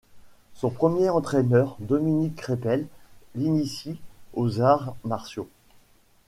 Son premier entraîneur Dominique Crépel l'initie aux arts martiaux.